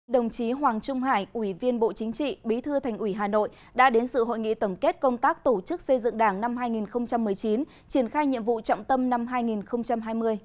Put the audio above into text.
đồng chí hoàng trung hải ủy viên bộ chính trị bí thư thành ủy hà nội đã đến sự hội nghị tổng kết công tác tổ chức xây dựng đảng năm hai nghìn một mươi chín triển khai nhiệm vụ trọng tâm năm hai nghìn hai mươi